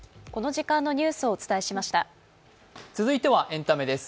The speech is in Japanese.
続いてはエンタメです。